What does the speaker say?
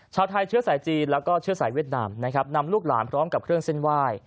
ชาวไทยเชื้อสายจีนแล้วก็เชื้อสายเวียดนามนะครับนำลูกหลานพร้อมกับเครื่องเส้นไหว้